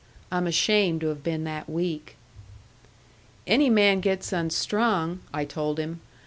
I'm ashamed to have been that weak." "Any man gets unstrung," I told him.